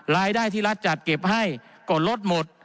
รายได้ที่รัฐจัดเก็บให้ก็ลดหมด